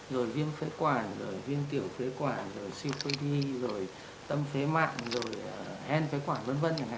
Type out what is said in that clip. rồi viêm phế quản rồi viêm tiểu phế quản rồi siêu phê đi rồi tâm phế mạng rồi hen phế quản v v